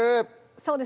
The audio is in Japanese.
そうです